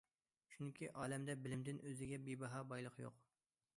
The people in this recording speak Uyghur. چۈنكى، ئالەمدە بىلىمدىن ئۆزگە بىباھا بايلىق يوق.